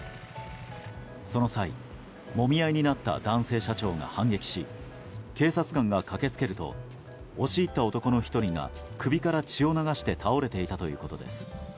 その際、もみ合いになった男性社長が反撃し警察官が駆けつけると押し入った男の１人が首から血を流して倒れていたということです。